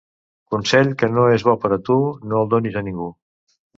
Consell que no és bo per a tu, no el donis a ningú.